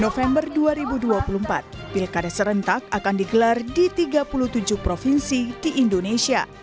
november dua ribu dua puluh empat pilkada serentak akan digelar di tiga puluh tujuh provinsi di indonesia